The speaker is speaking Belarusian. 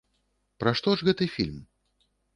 Пра што ж гэты фільм?